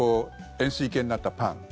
円すい形になったパン。